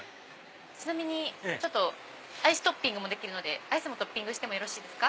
ちなみにアイストッピングもできるのでトッピングしてよろしいですか？